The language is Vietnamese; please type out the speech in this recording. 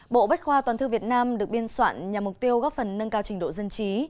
bộ bách khoa toàn thư việt nam được biên soạn nhằm mục tiêu góp phần nâng cao trình độ dân trí